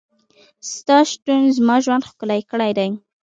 ستا شتون زما ژوند ښکلی کړی دی.